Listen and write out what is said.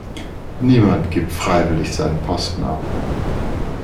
Niemand gibt freiwillig seinen Posten ab.